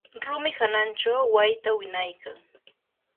rumi hananchaw wayta winaykan.